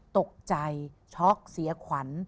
ตกใจช็อกเสียขวัญ